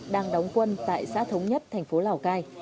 đang đóng quân tại xã thống nhất thành phố lào cai